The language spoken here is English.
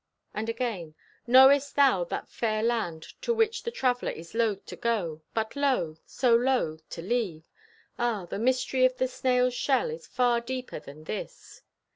And again: "Knowest thou that fair land to which the traveler is loath to go, but loath, so loath, to leave? Ah, the mystery of the snail's shell is far deeper than this."